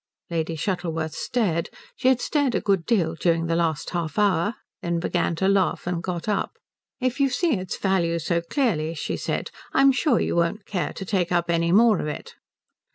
Lady Shuttleworth stared she had stared a good deal during the last halfhour then began to laugh, and got up. "If you see its value so clearly," she said, "I'm sure you won't care to take up any more of it."